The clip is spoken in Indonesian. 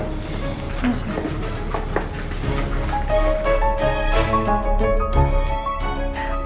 mumpung nina di kamar dia